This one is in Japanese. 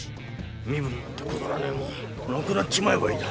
身分なんてくだらねえもんなくなっちまえばいいだ。